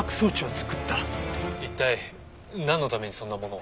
一体なんのためにそんなものを？